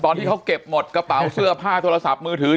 ที่เขาเก็บหมดกระเป๋าเสื้อผ้าโทรศัพท์มือถือ